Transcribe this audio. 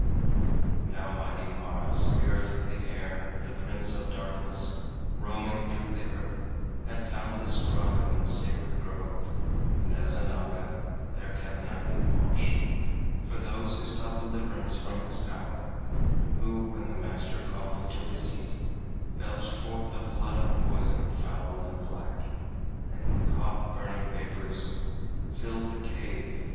Now mighty Mara, spirit of the air, The prince of darkness, roaming through the earth Had found this grotto in the sacred grove, And as a Naga there kept nightly watch For those who sought deliverance from his power, Who, when the master calmly took his seat, Belched forth a flood of poison, foul and black, And with hot, burning vapors filled the cave.